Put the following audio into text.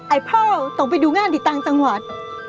ไอ้พ่อต้องไปดูงานที่ต่างจังหวัด